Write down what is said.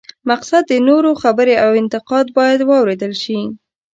مقصد د نورو خبرې او انتقاد باید واورېدل شي.